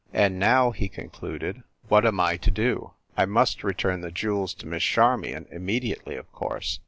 "And now/ he concluded, "what am I to do? I must return the jewels to Miss Charmion, immedi ately, of course.